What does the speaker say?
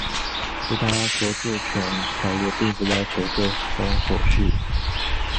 其他着作权条约并不要求这种手续。